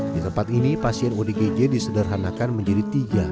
di tempat ini pasien odgj disederhanakan menjadi tiga